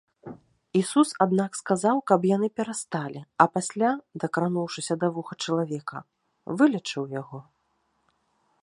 Ісус, аднак сказаў, каб яны перасталі, а пасля, дакрануўшыся да вуха чалавека, вылечыў яго.